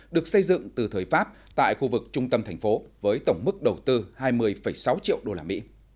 được xây dựng từ thời pháp tại khu vực trung tâm thành phố với tổng mức đầu tư hai mươi sáu triệu usd